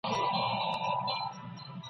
د ساړه ژمي په تیاره کي مرمه !.